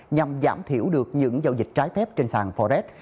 nhằm giảm thiểu được những giao dịch trái phép trên sàn forex